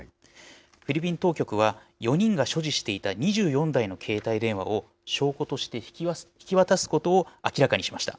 フィリピン当局は、４人が所持していた２４台の携帯電話を、証拠として引き渡すことを明らかにしました。